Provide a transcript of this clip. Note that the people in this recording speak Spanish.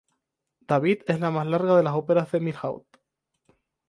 David es la más larga de las óperas de Milhaud.